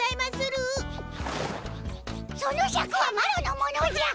そのシャクはマロのものじゃ！